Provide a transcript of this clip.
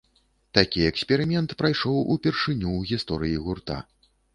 Такі эксперымент прайшоў упершыню ў гісторыі гурта.